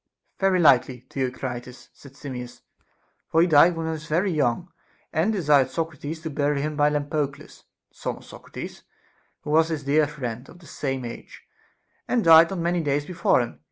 Very likely, Theocritus, said Simmias ; for he died when he was very young, and desired Socrates to bury him by Lampo cles. the son of Socrates, who was his dear friend, of the same age, and died not many days before him.